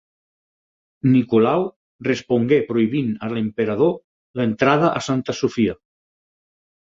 Nicolau respongué prohibint a l'emperador l'entrada a Santa Sofia.